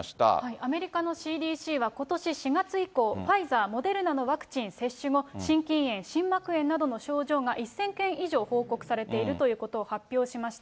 アメリカのＣＤＣはことし４月以降、ファイザー、モデルナのワクチン接種後、心筋炎、心膜炎などの症状が１０００件以上報告されているということを発表しました。